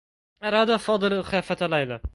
أراد فاضل إخافة ليلى.